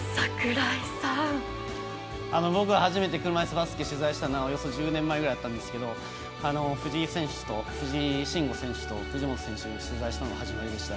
私が初めて車いすバスケを取材したのはおよそ１０年前くらいだったんですが藤井新悟選手と藤本選手を取材したのが始まりでした。